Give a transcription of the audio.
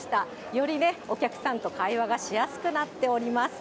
よりね、お客さんと会話がしやすくなっております。